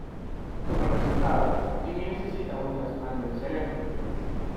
Como resultado, Jimmy necesita un trasplante de cerebro.